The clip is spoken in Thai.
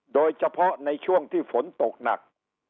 โดยเฉพาะในช่วงที่ฝนตกหนัก